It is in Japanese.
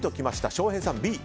翔平さん、Ｂ。